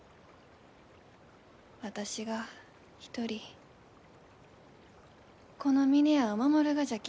私が一人この峰屋を守るがじゃき。